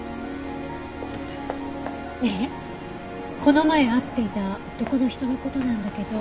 ねえこの前会っていた男の人の事なんだけど。